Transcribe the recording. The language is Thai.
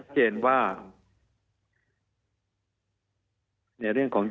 มีความรู้สึกว่ามีความรู้สึกว่า